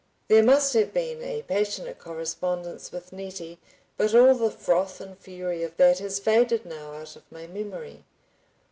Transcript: There must have been a passionate correspondence with Nettie, but all the froth and fury of that has faded now out of my memory.